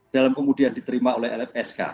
dalam kemudian diterima oleh lpsk